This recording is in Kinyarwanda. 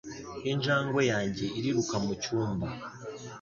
Injangwe yanjye iriruka mucyumba. .